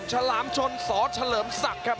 ฉลามชนสเฉลิมศักดิ์ครับ